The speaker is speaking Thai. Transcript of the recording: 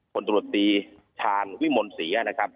ควรบรถตีทานวิมนศรี